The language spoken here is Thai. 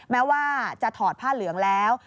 แม้ว่าจะถอดผ้าเหลืองแล้ว